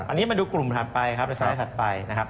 อันนี้มาดูกลุ่มหลักเข้าไป